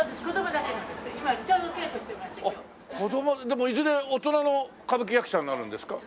でもいずれ大人の歌舞伎役者になるんですか？